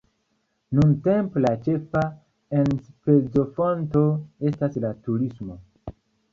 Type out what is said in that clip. Nuntempe la ĉefa enspezofonto estas la turismo.